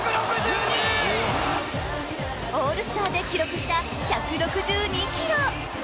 オールスターで記録した１６２キロ。